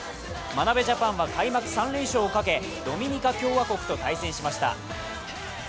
眞鍋ジャパンは開幕３連勝をかけ、ドミニカ共和国と対戦しました。